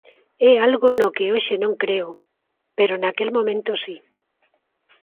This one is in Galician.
É algo no que hoxe non creo, pero naquel momento si.